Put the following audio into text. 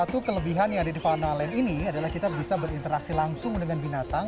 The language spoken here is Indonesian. jadi kelebihan yang ada di fauna land ini adalah kita bisa berinteraksi langsung dengan binatang